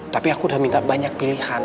tapi aku udah minta banyak pilihan